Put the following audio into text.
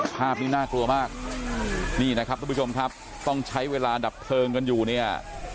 ภาพนี้น่ากลัวมากนี่นะครับทุกผู้ชมครับต้องใช้เวลาดับเพลิงกันอยู่เนี่ย